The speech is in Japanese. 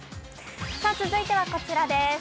続いてはこちらです。